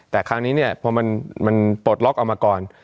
แต่คราวนี้เนี่ยพอมันปลดล็อกเอามาก่อน